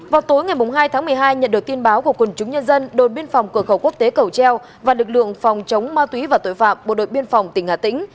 vào tối ngày hai tháng một mươi hai nhận được tin báo của quân chúng nhân dân đồn biên phòng cửa khẩu quốc tế cầu treo và lực lượng phòng chống ma túy và tội phạm bộ đội biên phòng tỉnh hà tĩnh